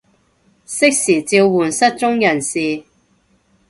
適時召喚失蹤人士